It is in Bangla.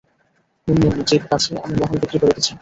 মুন মুন জীর কাছে, আমি মহল বিক্রি করে দিছি।